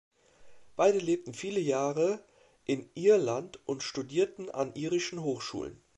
Beide lebten viele Jahre in Irland und studierten an irischen Hochschulen.